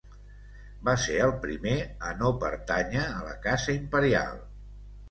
Va ser el primer a no pertànyer a la casa imperial.